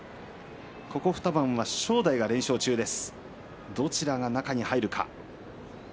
ここ２番が、正代連勝中です。